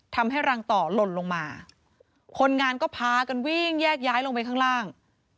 ทำให้รังต่อหล่นลงมาคนงานก็พากันวิ่งแยกย้ายลงไปข้างล่าง